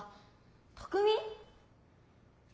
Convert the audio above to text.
拓海？